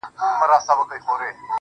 که ټوله ژوند په تنهايۍ کي تېر کړم.